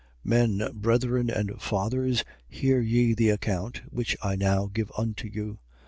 22:1. Men, brethren and fathers, hear ye the account which I now give unto you.